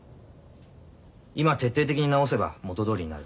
今徹底的に治せば元どおりになる。